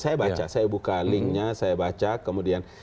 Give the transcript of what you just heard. saya baca saya buka linknya saya baca kemudian